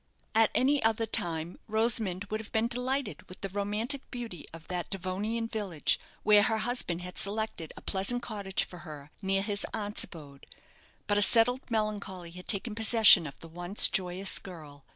At any other time Rosamond would have been delighted with the romantic beauty of that Devonian village, where her husband had selected a pleasant cottage for her, near his aunt's abode; but a settled melancholy had taken possession of the once joyous girl.